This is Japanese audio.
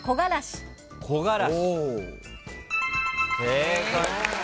正解。